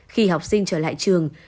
khi học sinh trở lại trường